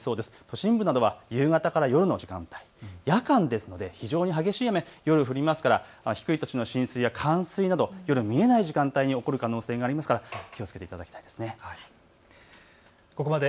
都心部などは夕方から夜の時間帯、夜間ですので非常に激しい雨が夜降りますから低い土地の浸水や冠水など夜見えない時間帯に起こる可能性がありますからお気をつけいただきたいと思います。